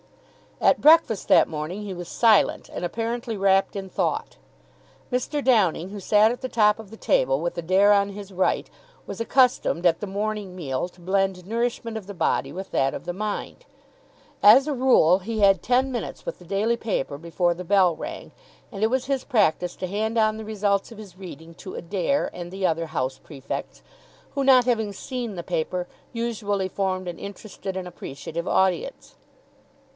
At breakfast that morning he was silent and apparently wrapped in thought. Mr. Downing, who sat at the top of the table with Adair on his right, was accustomed at the morning meal to blend nourishment of the body with that of the mind. As a rule he had ten minutes with the daily paper before the bell rang, and it was his practice to hand on the results of his reading to Adair and the other house prefects, who, not having seen the paper, usually formed an interested and appreciative audience.